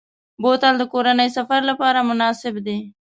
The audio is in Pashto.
بوتل د کورنۍ سفر لپاره مناسب دی.